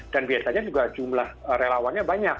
dan biasanya juga jumlah relawannya banyak